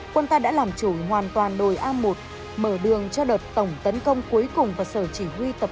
quân ta đã làm chủ hoàn toàn đồi a một mở đường cho đợt tổng tấn công cuối cùng vào sở chỉ huy tập